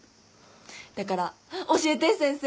だから教えて先生。